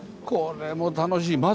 これも楽しい。